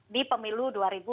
di pemilu dua ribu dua puluh